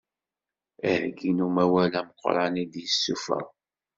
Aheggi n umawal ameqqran i d-yesuffeɣ.